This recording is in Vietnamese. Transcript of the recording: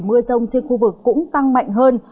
mưa rông trên khu vực cũng tăng mạnh hơn